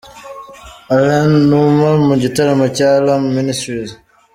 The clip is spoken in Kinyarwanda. Alain Numa mu gitaramo cya Alarm Ministries.